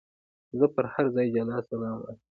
زه پر هر چا سلام وايم.